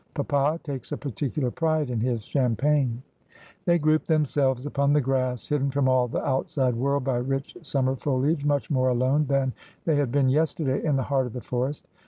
Papa takes a particular pride in his champagne.' They grouped themselves upon the grass, hidden from all the outside world by rich summer foliage, much more alone than they had been yesterday in the heart of the forest.